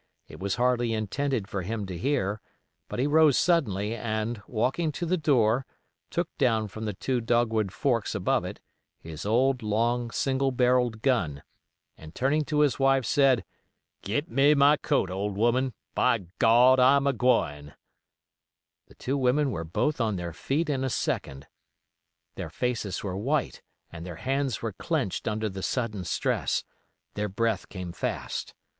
It was hardly intended for him to hear, but he rose suddenly, and walking to the door, took down from the two dogwood forks above it his old, long, single barrelled gun, and turning to his wife said, "Git me my coat, old woman; by Gawd, I'm a gwine." The two women were both on their feet in a second. Their faces were white and their hands were clenched under the sudden stress, their breath came fast.